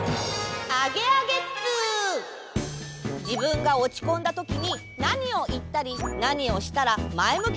じぶんがおちこんだときになにをいったりなにをしたらまえむき